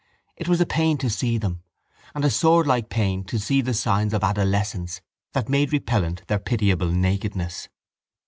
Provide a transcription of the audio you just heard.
It was a pain to see them, and a swordlike pain to see the signs of adolescence that made repellent their pitiable nakedness.